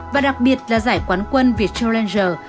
và đặc biệt là giải quán quân virtual ranger